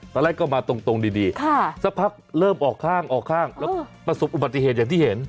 ตอนแรกก็มาตรงดีสักพักเริ่มออกข้างออกข้างแล้วก็ประสบอุบัติเหตุอย่างที่เห็น